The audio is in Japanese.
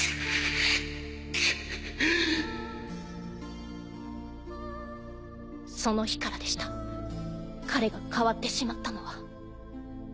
くっその日からでした彼が変わってしまったのは。